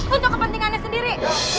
untuk kepentingannya sendiri